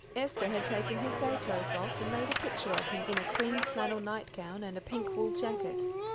Esther had taken his day clothes off, and made a picture of him in a cream flannel nightgown and a pink wool jacket.